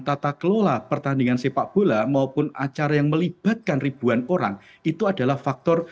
tata kelola pertandingan sepakbola maupun acara yang melibatkan reputasi dan pertandingan sepakbola